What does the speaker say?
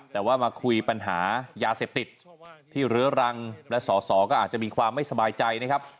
แต่ว่ามาคุยปัญหายาเสพติดที่เรื้อรังและสอสอก็อาจจะมีความไม่สบายใจนะครับ